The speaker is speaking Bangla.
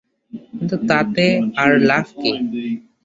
কিন্তু তাতে আর লাভ কী!